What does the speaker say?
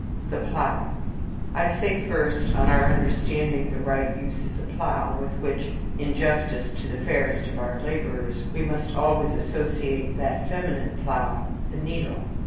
I. THE PLOUGH. I say, first, on our understanding the right use of the plough, with which, in justice to the fairest of our labourers, we must always associate that feminine plough the needle.